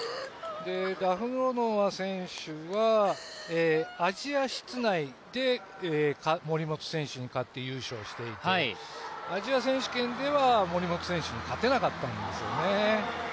ダフロノワ選手はアジア室内で森本選手に勝って優勝していて、アジア選手権では、森本選手に勝てなかったんですよね。